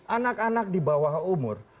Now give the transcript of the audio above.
anak anak di bawah umur